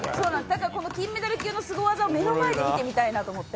だから金メダル級のすご技を目の前で見たいなと思って。